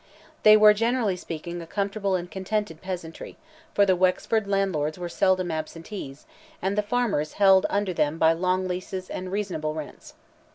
They were, generally speaking, a comfortable and contented peasantry, for the Wexford landlords were seldom absentees, and the farmers held under them by long leases and reasonable rents.